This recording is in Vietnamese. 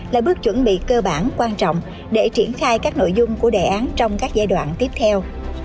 là bước chuẩn bị cơ bản quan trọng để triển khai các nội dung của đề án trong các giai đoạn tiếp theo